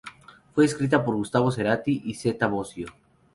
Fue escrita por Gustavo Cerati y Zeta Bosio.